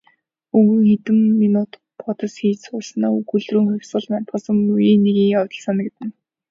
Өвгөн хэдэн минут бодос хийж сууснаа өгүүлрүүн "Хувьсгал мандахаас өмнө үеийн нэгэн явдал санагдана".